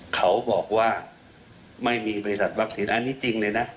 เขาบอกว่าไม่มีบริษัทวัคซีนอันนี้จริงเลยนะ